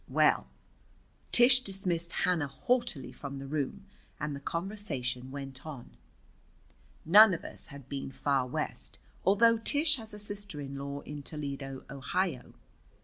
Well, Tish dismissed Hannah haughtily from the room, and the conversation went on. None of us had been far West, although Tish has a sister in law in, Toledo, Ohio.